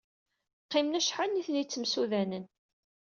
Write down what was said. Qqimen acḥal nitni ttemsudanen.